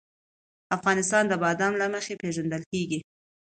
افغانستان د بادام له مخې پېژندل کېږي.